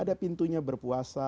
ada pintunya berpuasa